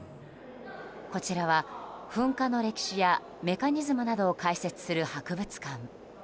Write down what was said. こちらは、噴火の歴史やメカニズムなどを解説する博物館。